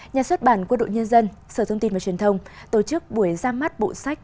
nhà xuất bản quân đội nhân dân sở thông tin và truyền thông tổ chức buổi ra mắt bộ sách